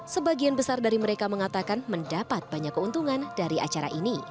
sebagian besar dari mereka mengatakan mendapat banyak keuntungan dari acara ini